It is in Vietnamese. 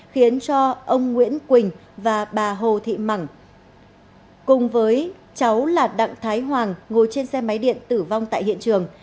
khiến cho ông nguyễn quỳnh và bà hồ thị mẳng cùng với cháu là đặng thái hoàng ngồi trên xe máy điện tử vong tại hiện trường